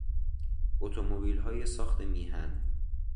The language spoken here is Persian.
اتومبیلهای ساخت میهن